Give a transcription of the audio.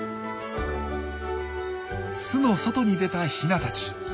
巣の外に出たヒナたち。